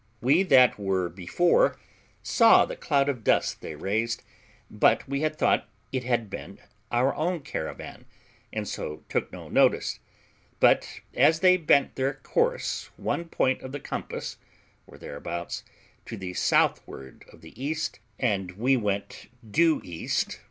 We that were before saw the cloud of dust they raised, but we had thought it had been our own caravan, and so took no notice; but as they bent their course one point of the compass, or thereabouts, to the southward of the east, and we went due east [?